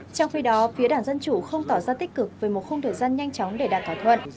trong khi đó phía đảng dân chủ không tỏ ra tích cực về một khung thời gian nhanh chóng để đạt thỏa thuận